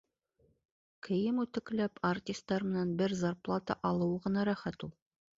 Кейем үтекләп, артистар менән бер зарплата алыуы ғына рәхәт ул!